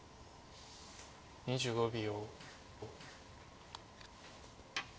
２５秒。